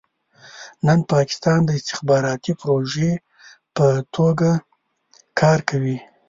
نن پاکستان د استخباراتي پروژې په توګه کار کوي.